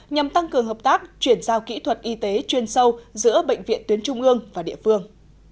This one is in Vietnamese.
nhằm tăng cường hợp tác chuyển giao kỹ thuật y tế chuyên sâu giữa bệnh viện tuyến trung ương và địa phương